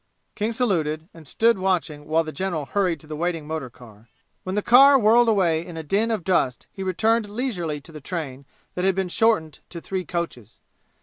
King saluted and stood watching while the general hurried to the waiting motor car. When the car whirled away in a din of dust he returned leisurely to the train that had been shortened to three coaches.